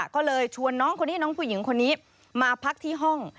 ก็เลยชวนน้องคนนี้น้องผู้หญิงคนนี้มาพักที่ห้อง